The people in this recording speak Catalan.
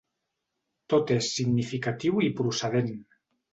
Tot és significatiu i procedent.